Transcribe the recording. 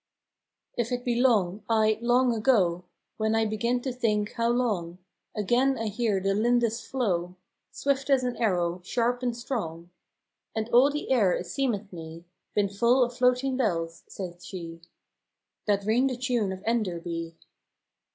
If it be long, aye, long ago, When I beginne to think howe long, Againe I hear the Lindis flow, Swift as an arrowe, sharpe and strong; 70 FROM QUEENS' GARDENS. And all the aire it seemeth mee Bin full of floating bells (sayth shee), That ring the tune of Enderby.